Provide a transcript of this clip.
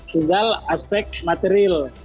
tinggal aspek material